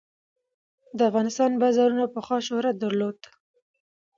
د افغانستان بازارونو پخوا شهرت درلود.